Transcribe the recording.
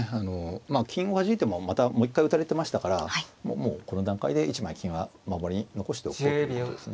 まあ金をはじいてもまたもう一回打たれてましたからもうこの段階で１枚金は守りに残しておこうということですね。